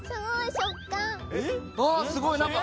あっすごいなんか。